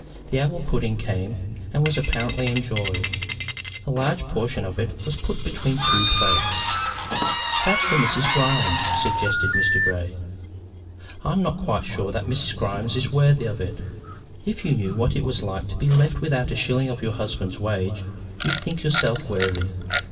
The apple pudding came, and was apparently enjoyed. A large portion of it was put between two plates. "That's for Mrs. Grimes," suggested Mr. Grey. "I am not quite sure that Mrs. Grimes is worthy of it." "If you knew what it was to be left without a shilling of your husband's wages you'd think yourself worthy."